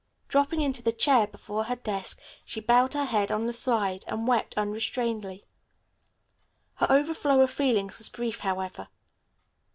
Dropping into the chair before her desk, she bowed her head on the slide and wept unrestrainedly. Her overflow of feelings was brief, however.